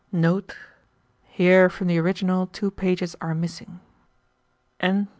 [Here from the original two pages are missing.] ...